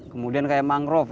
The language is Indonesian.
kemudian kayak mangrove